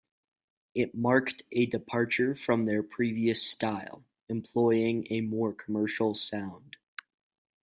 It marked a departure from their previous style, employing a more commercial sound.